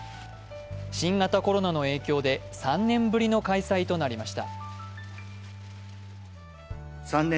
新型コロナの影響で３年ぶりの開催となりました。